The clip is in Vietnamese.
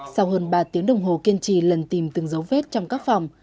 sau hơn ba tiếng đồng hồ kiên trì lần tìm từng dấu vết trong các phòng